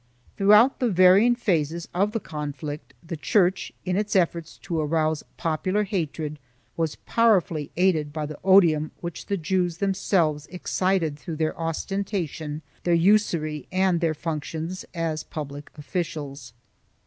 Throughout the varying phases of the conflict, the Church, in its efforts to arouse popular hatred, was powerfully aided by the odium which the Jews themselves excited through their ostentation, v their usury and their functions as public officials.